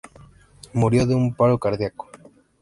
Murió de un paro cardíaco.